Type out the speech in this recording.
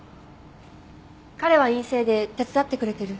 彼は院生で手伝ってくれてる。